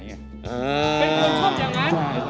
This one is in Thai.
เป็นคนชอบอย่างนั้น